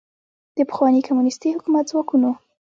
د پخواني کمونیستي حکومت ځواکونو